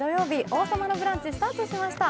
「王様のブランチ」スタートしました。